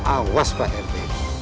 awas pak rt